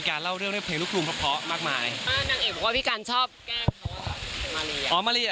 โชว์ว่ายน้ำด้วยมั้ย